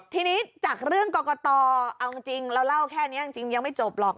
ทีนี้จากเรื่องกรกตเอาจริงเราเล่าแค่นี้จริงยังไม่จบหรอก